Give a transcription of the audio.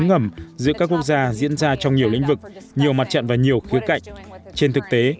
ngẩm giữa các quốc gia diễn ra trong nhiều lĩnh vực nhiều mặt trận và nhiều khía cạnh trên thực tế